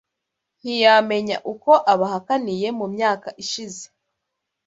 ntiyamenya uko abahakiniye mu myaka ishize